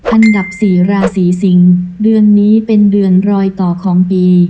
อันดับสี่ราศีสิงศ์เดือนนี้เป็นเดือนรอยต่อของปี